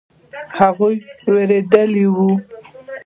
د هغوی وېره دا وه.